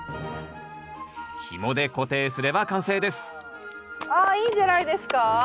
ひもで固定すれば完成ですああいいんじゃないですか？